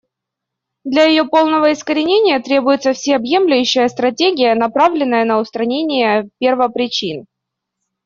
Для ее полного искоренения требуется всеобъемлющая стратегия, направленная на устранение первопричин.